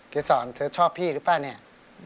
จะสอนเธอชอบพี่หรือเปล่าเนี่ย